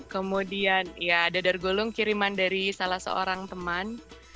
kemudian ya dadar gulung kiriman dari salah seorang teman